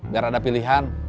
biar ada pilihan